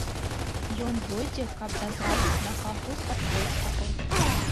Ён зойдзе, каб натрапіць на каго з падпольшчыкаў.